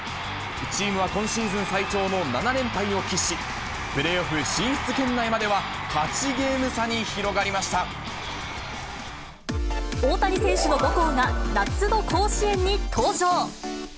チームは今シーズン最長の７連敗を喫し、プレーオフ進出圏内までは、大谷選手の母校が、夏の甲子園に登場。